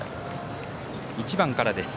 １番からです。